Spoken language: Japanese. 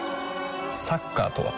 サッカーとは？